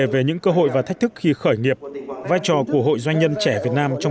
về những cơ hội và thách thức khi khởi nghiệp vai trò của hội doanh nhân trẻ việt nam trong